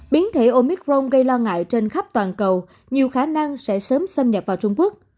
biến thể omicron gây lo ngại trên khắp toàn cầu nhiều khả năng sẽ sớm xâm nhập vào trung quốc